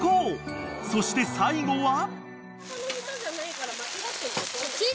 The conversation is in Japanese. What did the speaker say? ［そして最後は？］